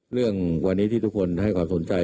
เรื่องวันนี้ที่ทุกคนให้ความสนใจ